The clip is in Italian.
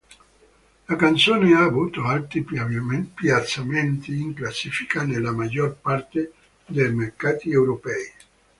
La canzone ha avuto alti piazzamenti in classifica nella maggior parte dei mercati europei.